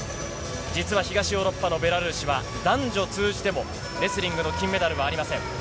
実は東ヨーロッパのベラルーシは男女通じてもレスリングの金メダルはありません。